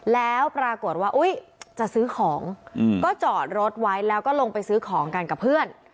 แล้วปรากฏว่าอุ๊ยจะซื้อของก็จอดรถไว้แล้วก็ลงไปซื้อของกันกับเพื่อน